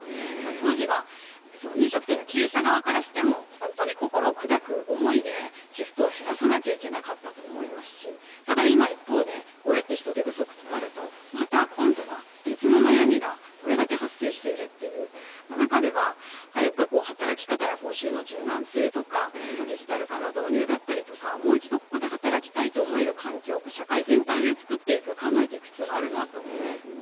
当時は飲食店の経営者側からしても本当に心を砕く思いでシフトを減らさなきゃいけなかったと思いますしただ今、一方でこうやって人手不足となるとまた今度は別の悩みがこれだけ発生しているという中で働き方や報酬の柔軟性とかデジタル化の導入だったりとかもう一度、ここで働きたいと思える環境を社会全体で作っていく必要があると思います。